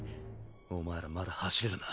お前らまだ走れるな？